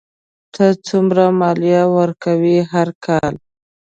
ته څومره مالیه ورکوې هر کال؟